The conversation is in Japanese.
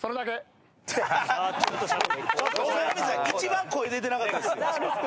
本並さん一番声出てなかったですよ。